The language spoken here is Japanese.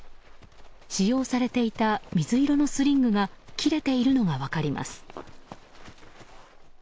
使用されていた水色のスリングが切れているのが分かります。